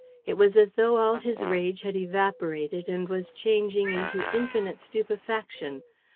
It was as though all his rage had evaporated and was changing into infinite stupefaction.